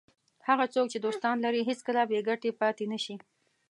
هغه څوک چې دوستان لري هېڅکله بې ګټې پاتې نه شي.